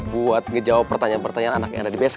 buat ngejawab pertanyaan pertanyaan anak yang ada di bc